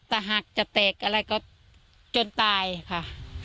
แต่หักจะแตกอะไรก็จนตายค่ะ